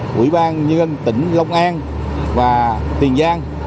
quỹ ban như tỉnh long an và tiền giang